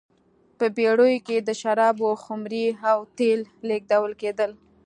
په بېړیو کې د شرابو خُمرې او تېل لېږدول کېدل.